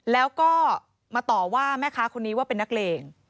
แล้วก็มาต่อว่าแม่ค้าคนนี้ว่าเป็นนักเลง